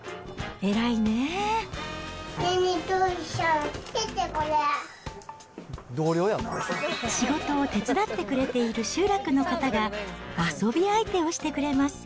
ねぇねぇ、仕事を手伝ってくれている集落の方が、遊び相手をしてくれます。